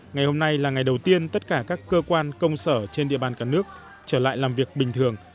ngày hôm nay là ngày đầu tiên tất cả các cơ quan công sở trên địa bàn cả nước trở lại làm việc bình thường